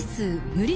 無理